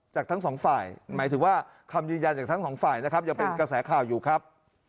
ทั้งสองฝ่ายหมายถึงว่าคำยืนยันจากทั้งสองฝ่ายนะครับยังเป็นกระแสข่าวอยู่ครับ